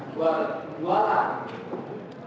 dua dua lah